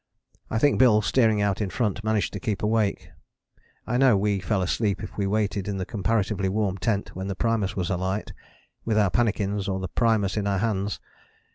I think Bill steering out in front managed to keep awake. I know we fell asleep if we waited in the comparatively warm tent when the primus was alight with our pannikins or the primus in our hands.